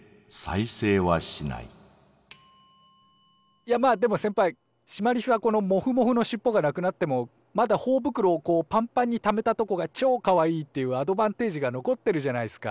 いやまあでも先ぱいシマリスはこのモフモフのしっぽがなくなってもまだほおぶくろをこうパンパンにためたとこがちょかわいいっていうアドバンテージが残ってるじゃないっすか。